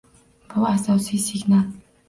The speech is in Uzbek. Bu asosiy signal